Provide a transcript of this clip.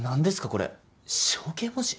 これ象形文字？